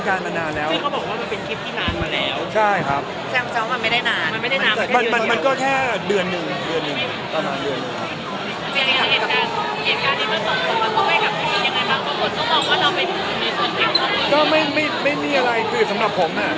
ก็มองว่าเราไม่มีใช่แล้วนะครับก็ไม่มีไม่มีอะไรคือสำหรับผมอ่ะ